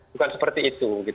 bukan seperti itu